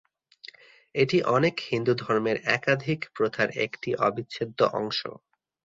এটি অনেক হিন্দুধর্মের একাধিক প্রথার একটি অবিচ্ছেদ্য অংশ।